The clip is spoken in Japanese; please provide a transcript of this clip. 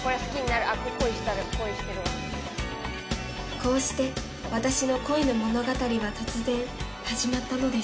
「こうして私の恋の物語は突然始まったのです」